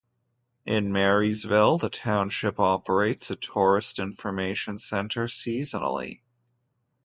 In Marysville, the Township operates a tourist information centre seasonally.